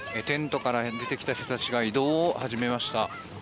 テントから出てきた人たちが移動を始めました。